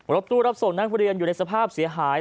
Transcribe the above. รถตู้รับส่งนักเรียนอยู่ในสภาพเสียหาย